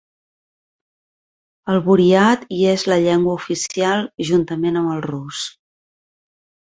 El buriat hi és la llengua oficial juntament amb el rus.